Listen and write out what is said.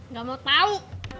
gak mau tau